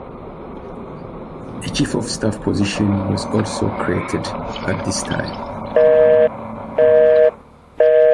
A chief of staff position was also created at this time.